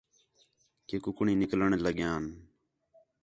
کہ کُکڑیں نِکلݨ لڳیان